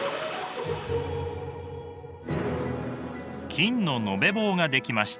金の延べ棒ができました。